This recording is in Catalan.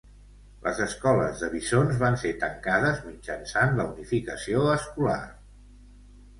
Les escoles de bisons van ser tancades mitjançant la unificació escolar.